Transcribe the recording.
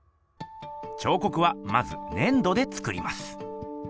ちょうこくはまずねん土で作ります。